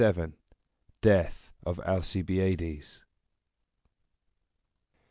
LXVII. DEATH OF ALCIBIADES.